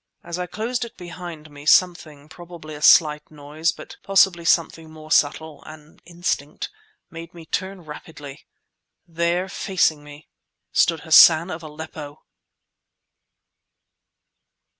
As I closed it behind me, something, probably a slight noise, but possibly something more subtle—an instinct—made me turn rapidly. There facing me stood Hassan of Aleppo.